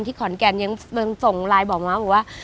ที่ขอนแก่นยังส่งไลน์บอกหมะหว่า